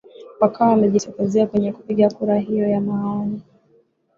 wakawa wamejitokeza kwenye kupiga kura hiyo ya maoni